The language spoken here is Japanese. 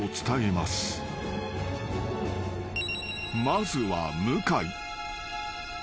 ［まずは向井］